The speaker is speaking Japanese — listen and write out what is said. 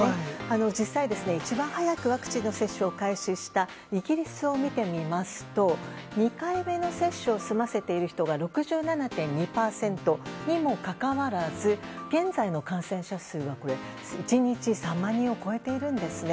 実際、一番早くワクチンの接種を開始したイギリスを見てみますと２回目の接種を済ませている人が６７．２％にもかかわらず現在の感染者数が１日３万人を超えています。